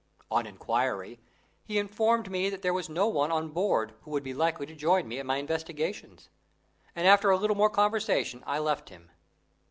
On enquiry, he informed me that there was no one on board who would be likely to join me in my investigations, and after a little more conversation I left him.